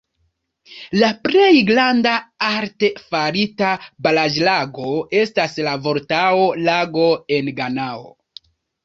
La plej granda arte farita baraĵlago estas la Voltao-Lago en Ganao.